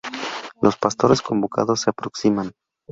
Los pastores convocados se aproximan.